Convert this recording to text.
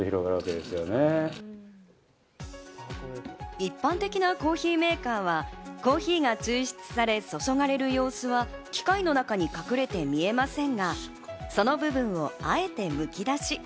一般的なコーヒーメーカーはコーヒーが抽出され、注がれる様子は機械の中に隠れて見えませんが、その部分をあえてむき出し。